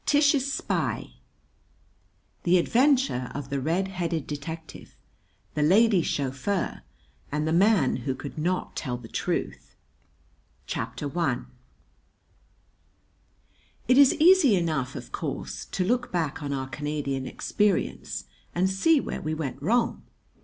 TISH'S SPY THE ADVENTURE OF THE RED HEADED DETECTIVE, THE LADY CHAUFFEUR, AND THE MAN WHO COULD NOT TELL THE TRUTH I It is easy enough, of course, to look back on our Canadian experience and see where we went wrong.